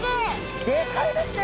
でかいですね！